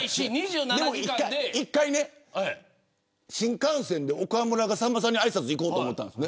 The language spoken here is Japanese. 一回、新幹線で岡村がさんまさんにあいさつ行こうと思ったんです。